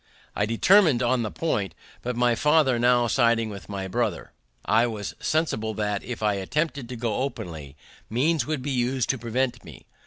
I determin'd on the point, but my father now siding with my brother, I was sensible that, if I attempted to go openly, means would be used to prevent me.